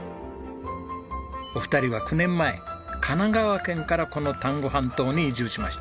お二人は９年前神奈川県からこの丹後半島に移住しました。